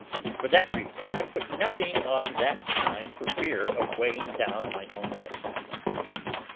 For that reason, I put nothing on that sign for fear of weighing down my own destiny.